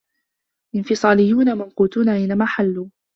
الإنفصاليون ممقوتون أينما حلّوا.